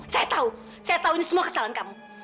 saya tahu saya tahu ini semua kesalahan kamu